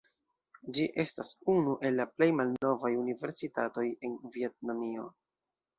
Ĝi estas unu el la plej malnovaj universitatoj en Vjetnamio.